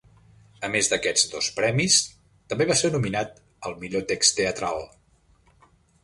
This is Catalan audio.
A més d'aquests dos premis, també va ser nominat al millor text teatral.